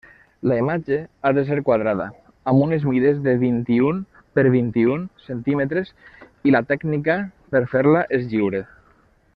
La imatge ha de ser quadrada, amb unes mides de vint-i-un per vint-i-un centímetres, i la tècnica per fer-la és lliure.